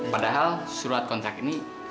padahal surat kontrak ini